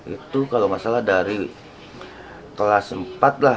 itu kalau masalah dari kelas empat lah